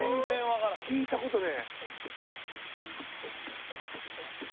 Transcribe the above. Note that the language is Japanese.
聞いたことねえ。